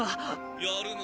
やるの？